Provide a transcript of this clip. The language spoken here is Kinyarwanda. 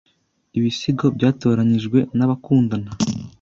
Ibisigo byatoranijwe nabakundana